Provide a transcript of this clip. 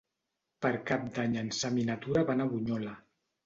Per Cap d'Any en Sam i na Tura van a Bunyola.